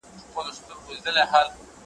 نو بیا ولي ګیله من یې له اسمانه ,